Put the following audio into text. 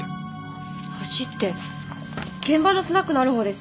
橋って現場のスナックのあるほうです。